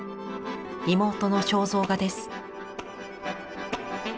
妹の肖像画です。